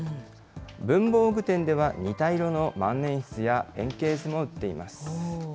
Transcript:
文房具店では、似た色の万年筆やペンケースも売っています。